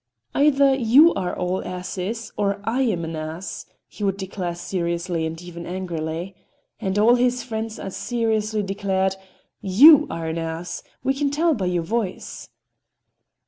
"Either you are all asses, or I am an ass," he would declare seriously and even angrily. And all his friends as seriously declared: "You are an ass. We can tell by your voice."